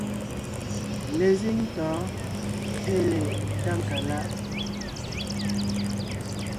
Lezíŋ tɔ̌ɔn ée le Tákaláʼ;